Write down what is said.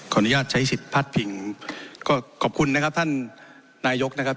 อนุญาตใช้สิทธิ์พัดพิงก็ขอบคุณนะครับท่านนายกนะครับ